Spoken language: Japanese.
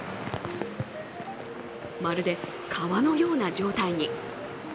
まるで川のような状態に。